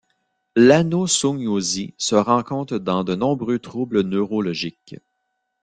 L'anosognosie se rencontre dans de nombreux troubles neurologiques.